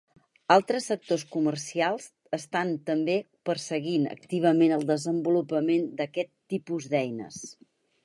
Altres sectors comercials estan també perseguint activament el desenvolupament d'aquest tipus d'eines.